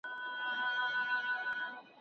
په لاس لیکلنه د خوبونو د تعبیرولو لاره ده.